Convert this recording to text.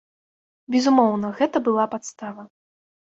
Безумоўна, гэта была падстава.